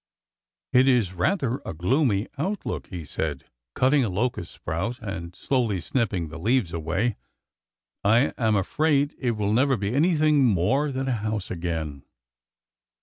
'' It is rather a gloomy outlook," he said, cutting a lo cust sprout and slowly snipping the leaves away. " I am afraid it will never be anything more than a house again."